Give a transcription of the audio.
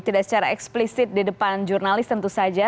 tidak secara eksplisit di depan jurnalis tentu saja